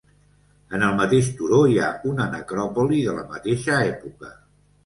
En el mateix turó hi ha una necròpoli de la mateixa època.